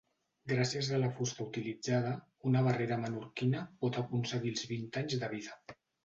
Gràcies a la fusta utilitzada, una barrera menorquina pot aconseguir els vint anys de vida.